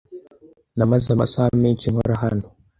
Namaze amasaha menshi nkora hano.